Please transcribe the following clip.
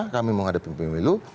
kami mau hadapi pemilu